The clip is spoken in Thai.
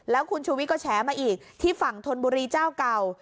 แล้วคุณชูวิทย์ก็แฉมาอีกที่ฝั่งธนบุรีเจ้าเก่า